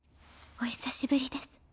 お久しぶりです。